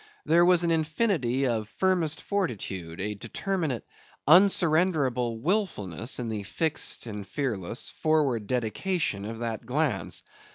There was an infinity of firmest fortitude, a determinate, unsurrenderable wilfulness, in the fixed and fearless, forward dedication of that glance.